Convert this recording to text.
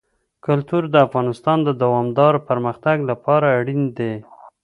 کلتور د افغانستان د دوامداره پرمختګ لپاره اړین دي.